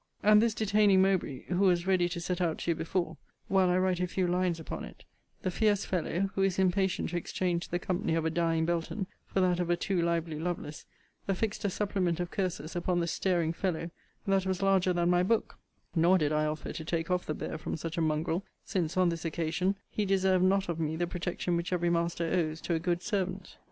And this detaining Mowbray (who was ready to set out to you before) while I write a few lines upon it, the fierce fellow, who is impatient to exchange the company of a dying Belton for that of a too lively Lovelace, affixed a supplement of curses upon the staring fellow, that was larger than my book nor did I offer to take off the bear from such a mongrel, since, on this occasion, he deserved not of me the protection which every master owes to a good servant.